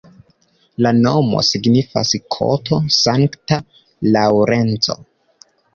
La nomo signifas koto-Sankta Laŭrenco.